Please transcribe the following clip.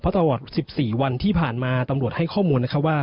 ตลอด๑๔วันที่ผ่านมาตำรวจให้ข้อมูลนะคะว่า